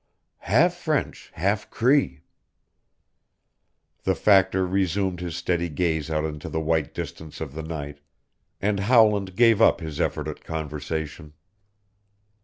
"Half French, half Cree." The factor resumed his steady gaze out into the white distance of the night, and Howland gave up his effort at conversation.